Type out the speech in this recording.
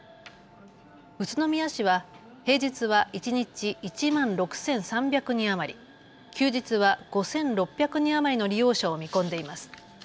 宇都宮市は平日は一日１万６３００人余り、休日は５６００人余りの利用者を見込んでいます。